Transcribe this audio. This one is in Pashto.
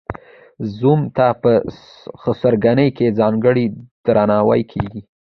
زوم ته په خسرګنۍ کې ځانګړی درناوی کیږي.